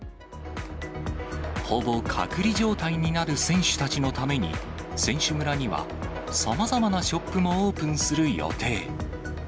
ほぼ隔離状態になる選手たちのために、選手村にはさまざまなショップもオープンする予定。